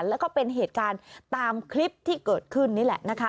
แล้วก็เป็นเหตุการณ์ตามคลิปที่เกิดขึ้นนี่แหละนะคะ